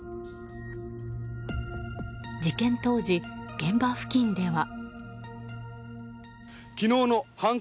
事件当時、現場付近では。